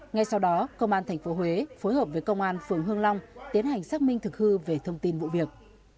ngay sau đó công an tp huế phối hợp với công an phường hương long tiến hành xác minh thực hư về thông tin vụ việc